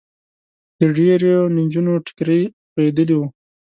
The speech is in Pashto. د ډېریو نجونو ټیکري خوېدلي ول.